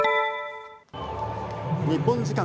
日本時間